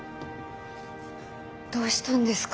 どうしたんですか？